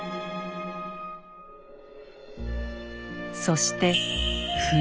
そして冬。